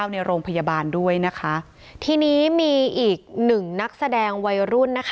ในโรงพยาบาลด้วยนะคะทีนี้มีอีกหนึ่งนักแสดงวัยรุ่นนะคะ